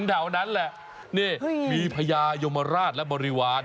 แถวนั้นแหละนี่มีพญายมราชและบริวาร